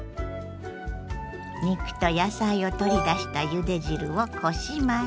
肉と野菜を取り出したゆで汁をこします。